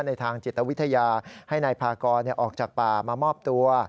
ในทางจิตวิทยาให้นายพากรออกจากป่ามามอบตัว